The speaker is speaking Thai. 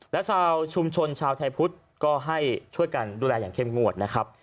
และชาวชุมชนชาวไทยพุทธก็ให้ช่วยกันดูแลอย่างเข้มงวดนะครับ